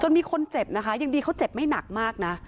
มีคนเจ็บนะคะยังดีเขาเจ็บไม่หนักมากนะ